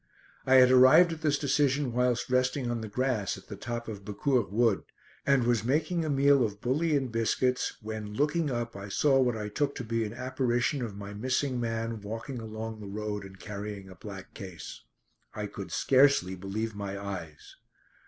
I had arrived at this decision whilst resting on the grass at the top of Becourt Wood and was making a meal of bully and biscuits when, looking up, I saw what I took to be an apparition of my missing man walking along the road and carrying a black case. I could scarcely believe my eyes.